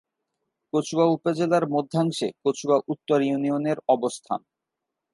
কচুয়া উপজেলার মধ্যাংশে কচুয়া উত্তর ইউনিয়নের অবস্থান।